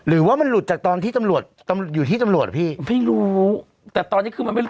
หรือว่ามันหลุดจากตอนที่ตำรวจตำรวจอยู่ที่ตำรวจพี่ไม่รู้แต่ตอนนี้คือมันไม่รู้